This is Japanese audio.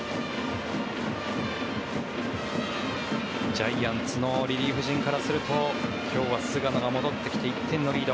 ジャイアンツのリリーフ陣からすると今日は菅野が戻ってきて１点のリード。